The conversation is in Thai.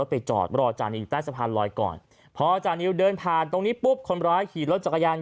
พอจ่านิวเดินผ่านตรงนี้ปุ๊บคนร้ายขี่รถจักรยาน